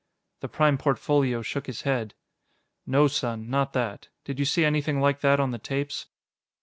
The Prime Portfolio shook his head. "No, son, not that. Did you see anything like that on the tapes?"